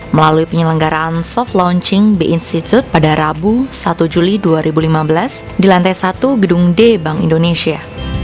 melalui penyelenggaraan soft launching b institute pada rabu satu juli dua ribu lima belas di lantai satu gedung d bank indonesia